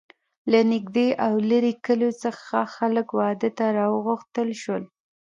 له نږدې او لرې کلیو څخه خلک واده ته را وغوښتل شول.